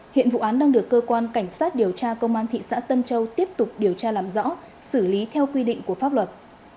hiện vụ án đang được cơ quan cảnh sát điều tra công an thị xã tân châu tiếp tục điều tra làm rõ xử lý theo quy định của pháp luật